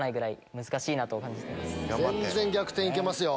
全然逆転行けますよ。